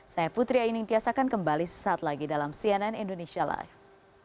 saya putri ayin intiasakan kembali sesaat lagi dalam cnn indonesia live